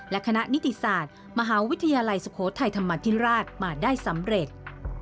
และคณะนิติศาสตร์มหาวิทยาลัยสุโขทัยธรรมธิราชมาได้สำเร็จ